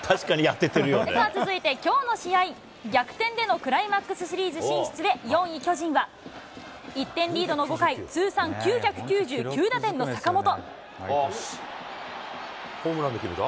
さあ、続いてきょうの試合、逆転でのクライマックスシリーズ進出で４位巨人は、１点リードの５回、ホームランでくるか？